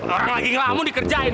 orang lagi ngelamun dikerjain